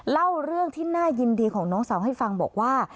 เล่าเรื่องที่น่ายินดีของน้องสาวให้ฟังบอกว่า